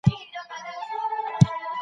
چې هر څوک یې لیدلو ته لیواله وي.